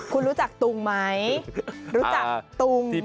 คุณรู้จักตุงไหมรู้จักตุงไหม